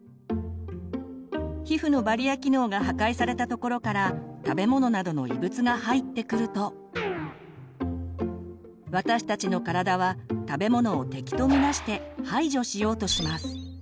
皮膚のバリア機能が破壊された所から食べ物などの異物が入ってくると私たちの体は食べ物を敵と見なして排除しようとします。